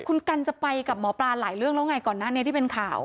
คุณกันจะไปกับหมอปลาหลายเรื่องแล้วไงก่อนหน้านี้ที่เป็นข่าว